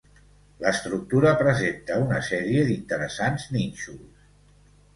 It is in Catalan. L'estructura presenta una sèrie d'interessants nínxols.